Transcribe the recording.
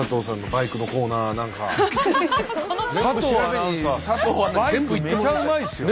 バイクめちゃうまいですよ。